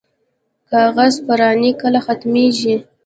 کاغذ پراني کله ختمیږي؟